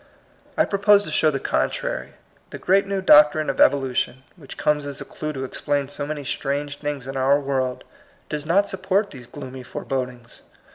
I propose to show the contrary. The great new doctrine of evolution, which comes as a clew to explain so many strange things in our world, does not support these gloomy forebodings.